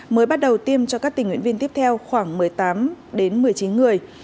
mới bắt đầu tiêm cho các tình nguyện viên tiếp theo khoảng một mươi tám đến một mươi chín người